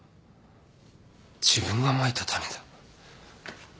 自分がまいた種だ。